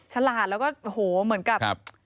ฉลาดแล้วก็เหมือนกับ